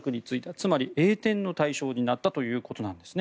つまり、栄転の対象になったということなんですね。